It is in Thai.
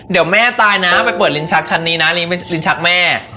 เดี๋ยวแม่ตายนะไปเปิดลิ้นชักชั้นนี้นะลิ้นชักแม่